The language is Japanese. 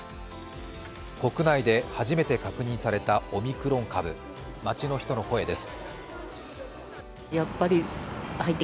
国内で初めて確認されたオミクロン株、街の人の声です。